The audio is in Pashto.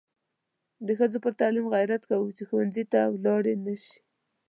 د ښځو پر تعلیم غیرت کوو چې ښوونځي ته ولاړې نشي.